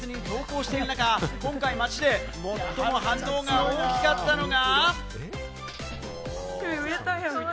芸能人が続々とＳＮＳに投稿している中、今回、街で最も反応が大きかったのが。